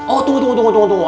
oh tunggu tunggu tunggu tunggu